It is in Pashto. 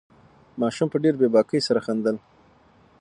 ماشوم په ډېرې بې باکۍ سره خندل.